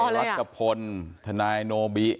รัฐจับพลท่านายโนบิ